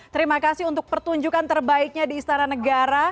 terima kasih untuk pertunjukan terbaiknya di istana negara